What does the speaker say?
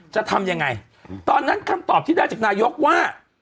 จะทำยังไงตอนนั้นคำตอบที่ได้จากนายกว่า